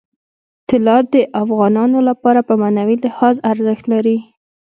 طلا د افغانانو لپاره په معنوي لحاظ ارزښت لري.